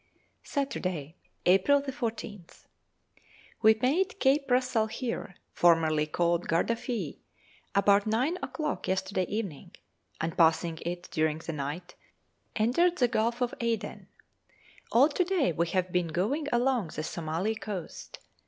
Saturday, April 14th. We made Cape Rasalhir, formerly called Guardafui, about nine o'clock yesterday evening, and passing it during the night entered the Gulf of Aden. All to day we have been going along the Soumali coast.